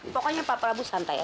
pokoknya pak prabu santai aja